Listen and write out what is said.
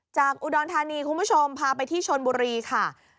จากอุดรธานีคุณผู้ชมพาไปที่ชนบุรีค่ะ